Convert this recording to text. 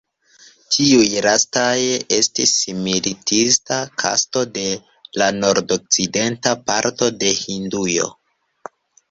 Tiuj lastaj estis militista kasto de la nordokcidenta parto de Hindujo.